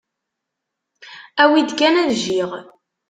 Awi-d kan ad jjiɣ.